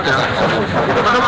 itu baru apa pak